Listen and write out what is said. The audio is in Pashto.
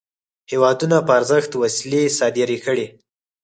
هیوادونو په ارزښت وسلې صادري کړې.